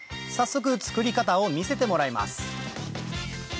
早速作り方を見せてもらいます